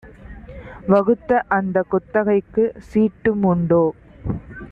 வகுத்தஅந்தக் குத்தகைக்குச் சீட்டுமுண்டோ